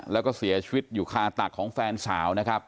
แล้วก็เสียชีวิตอยู่คาตักของแฟนสาวนะครับ